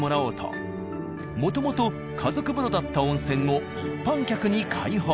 もともと家族風呂だった温泉を一般客に開放。